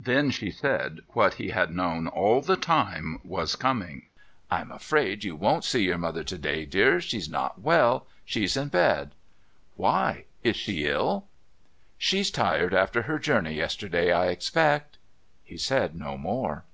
Then she said what he had known all the time was coming: "I'm afraid you won't see your mother to day, dear. She's not well. She's in bed." "Why? Is she ill?" "She's tired after her journey yesterday, I expect." He said no more.